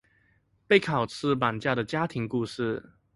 被考試綁架的家庭故事